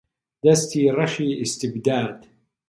دەستی ڕەشی ئیستیبداد